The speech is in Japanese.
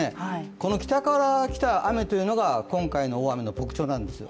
この北から来た雨というのが今回の大雨の特徴なんです。